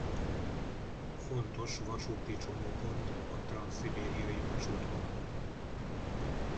Fontos vasúti csomópont a transzszibériai vasútvonalon.